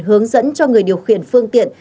hướng dẫn cho người điều khiển phương tiện